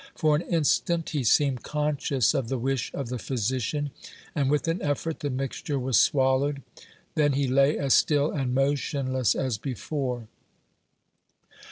For an instant he seemed conscious of the wish of the physician, and with an effort the mixture was swallowed. Then he lay as still and motionless as before.